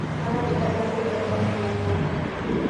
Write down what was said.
هغه د آزادو ټاکنو ملاتړ کوي.